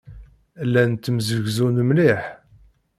Llan ttemsegzun mliḥ.